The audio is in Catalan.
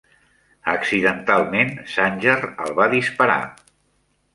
Accidentalment, Sanjar el va disparar.